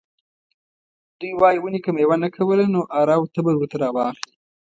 دوی وايي ونې که میوه نه کوله نو اره او تبر ورته راواخلئ.